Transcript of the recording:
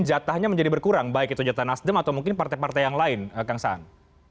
jatahnya menjadi berkurang baik itu jatah nasdem atau mungkin partai partai yang lain kang saan